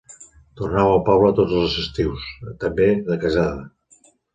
Tornava al poble tots els estius, també de casada.